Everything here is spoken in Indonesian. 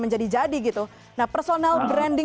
menjadi jadi gitu nah personal brand di